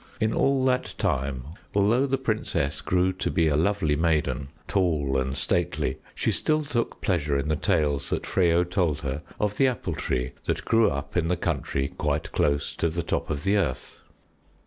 In all that time, although the princess grew to be a lovely maiden, tall and stately, she still took pleasure in the tales that Freyo told her of the Apple Tree that grew up in the country quite close to the top of the earth.